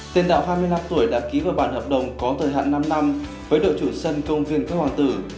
tiền đạo hai mươi năm tuổi đã ký vào bản hợp đồng có thời hạn năm năm với đội chủ sân công viên các hoàng tử